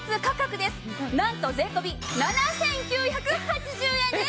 なんと税込７９８０円です。